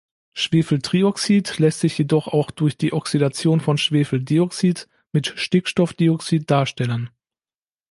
Schwefeltrioxid lässt sich jedoch auch durch die Oxidation von Schwefeldioxid mit Stickstoffdioxid darstellen.